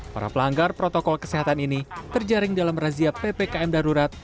para pelanggar protokol kesehatan ini terjaring dalam razia ppkm darurat